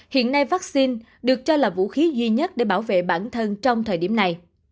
hiện nay vaccine được cho là vũ khí duy nhất để bảo vệ bản thân trong thời điểm này